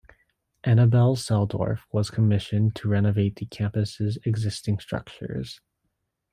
Annabelle Selldorf was commissioned to renovate the campus' existing structures.